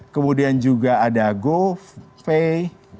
kemudian juga ada gopay